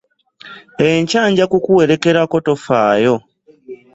Enkya nja kukuwerekerako tofaayo.